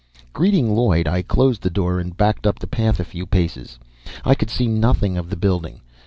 Greeting Lloyd, I closed the door and backed up the path a few paces. I could see nothing of the building.